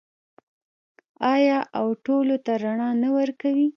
آیا او ټولو ته رڼا نه ورکوي؟